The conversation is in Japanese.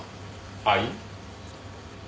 はい？